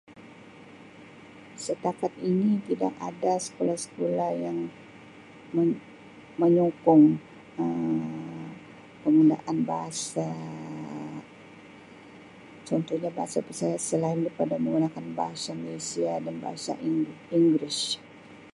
Setakat ini tidak ada sekolah-sekolah yang me-menyokong Um penggunaan bahasa contohnya bahasa Bisaya selain daripada menggunakan bahasa Malaysia dan bahasa Eng Inggeris.